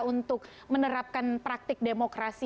untuk menerapkan praktik demokrasi